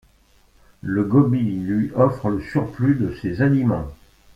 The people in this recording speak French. Le gobie lui offre le surplus de ses aliments.